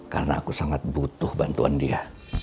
karena aku sangat butuh bantuan dia